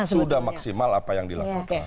sudah maksimal apa yang dilakukan